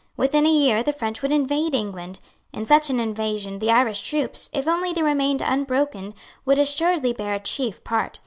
Within a year the French would invade England. In such an invasion the Irish troops, if only they remained unbroken, would assuredly bear a chief part.